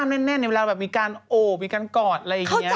เต็มไม้เต็มมือไหมคะจริงค่ะหล่อนมีการโอบมีการกอดอะไรอย่างนี้